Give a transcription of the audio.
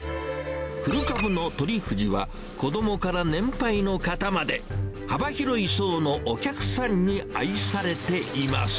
古株のとりふじは、子どもから年配の方まで、幅広い層のお客さんに愛されています。